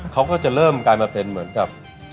เขาก็จะเริ่มกลายมาเป็นเหมือนกับ